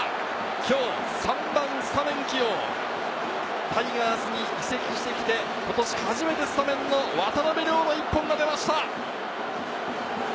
今日、３番スタメン起用、タイガースに移籍してきて、今年初めてスタメンの渡邉諒の１本が出ました。